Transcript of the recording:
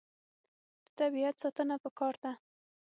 د طبیعت ساتنه پکار ده.